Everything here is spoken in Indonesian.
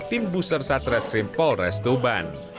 buru tim busur satreskrim polres tuban